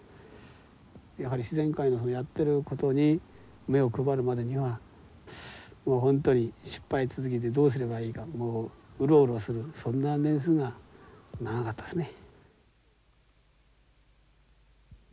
やはり自然界のやってることに目を配るまでにはもう本当に失敗続きでどうすればいいかもううろうろするそんな年数が長かったですね。